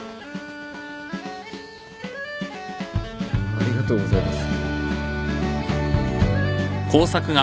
ありがとうございます。